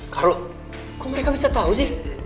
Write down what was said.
karlo kok mereka bisa tau sih